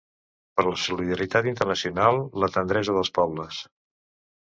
Per la solidaritat internacional, la tendresa dels pobles!